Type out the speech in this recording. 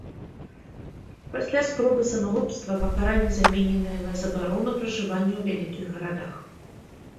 Пасля спробы самагубства пакаранне замененае на забарону пражывання ў вялікіх гарадах.